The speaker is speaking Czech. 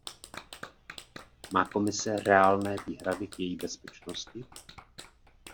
Má Komise reálné výhrady k její bezpečnosti?